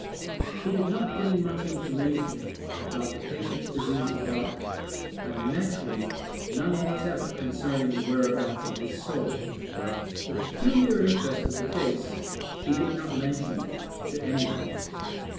He did not gain much information about the patient's diseased body, and naturally none whatever concerning the whereabouts of his soul. The peculiar interest of the case he did not mention to any one.